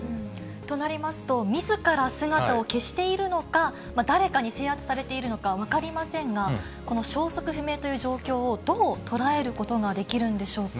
となりますと、みずから姿を消しているのか、誰かに制圧されているのか、分かりませんが、この消息不明という状況を、どう捉えることができるんでしょうか。